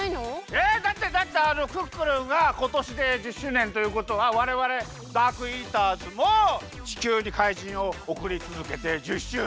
えっだってだってクックルンがことしで１０周年ということはわれわれダークイーターズも地球に怪人をおくりつづけて１０周年！